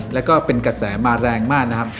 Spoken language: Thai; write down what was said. แล้วก็เป็นกระแสมาแรงมากนะครับ